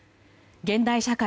現代社会